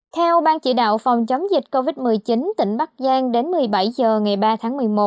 theo ban chỉ đạo phòng chống dịch covid một mươi chín tỉnh bắc giang đến một mươi bảy h ngày ba tháng một mươi một